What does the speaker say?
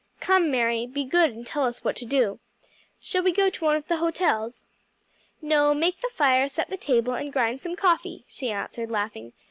"Come, Mary, be good and tell us what to do. Shall we go to one of the hotels?" "No, make the fire, set the table, and grind some coffee," she answered, laughing.